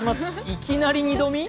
いきなり二度見？